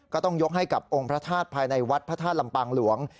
ก็ต้องยกให้กับองค์พระธาตุภายในวัดพระธาตุลำปางหลวง